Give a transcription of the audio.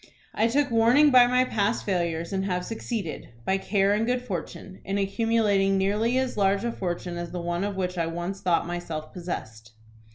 I took warning by my past failures, and have succeeded, by care and good fortune, in accumulating nearly as large a fortune as the one of which I once thought myself possessed.